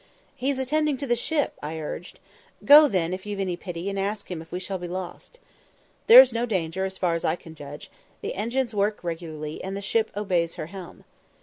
"He's attending to the ship," I urged. "Go then, if you've any pity, and ask him if we shall be lost." "There's no danger, as far as I can judge; the engines work regularly, and the ship obeys her helm."